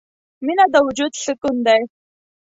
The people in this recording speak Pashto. • مینه د وجود سکون دی.